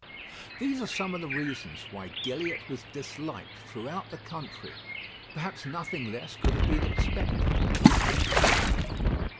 These are some of the reasons why Gilliatt was disliked throughout the country. Perhaps nothing less could have been expected.